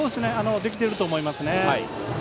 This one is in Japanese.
できていると思いますね。